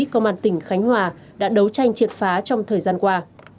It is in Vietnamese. công an tỉnh khánh hòa đã đấu tranh triệt phá trong thời gian qua